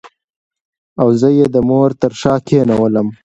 او زه یې د مور تر شا کېنولم.